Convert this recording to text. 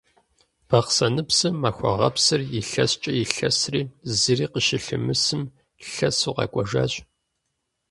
Бахъсэныпсым Махуэгъэпсыр илъэскӏэ илъэсри, зыри къыщылъымысым, лъэсу къэкӏуэжащ.